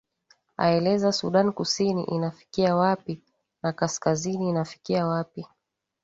aeleza sudan kusini inafikia wapi na kaskazini inafikia wapi